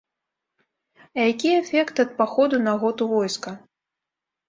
А які эфект ад паходу на год у войска?